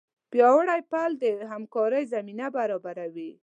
پیاوړی پل د همکارۍ زمینه برابروي.